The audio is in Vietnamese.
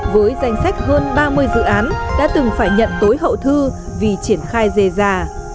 với danh sách hơn ba mươi dự án đã từng phải nhận tối hậu thư vì triển khai dề già